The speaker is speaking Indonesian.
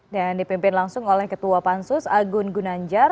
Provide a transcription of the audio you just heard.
dan dipimpin langsung oleh ketua pansus agun gunanjar